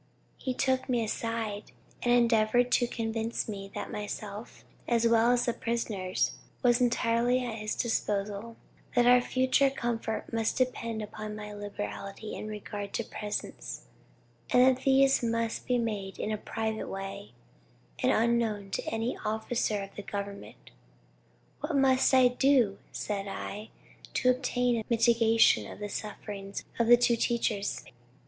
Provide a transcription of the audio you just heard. "He took me aside, and endeavored to convince me that myself, as well as the prisoners, was entirely at his disposal that our future comfort must depend on my liberality in regard to presents and that these must be made in a private way, and unknown to any officer of government! What must I do, said I, to obtain a mitigation of the sufferings of the two teachers?